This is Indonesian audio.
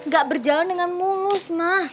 gak berjalan dengan mulus mah